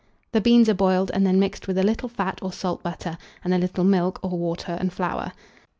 The beans are boiled, and then mixed with a little fat or salt butter, and a little milk or water and flour.